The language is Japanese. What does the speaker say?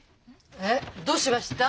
えっどうしました？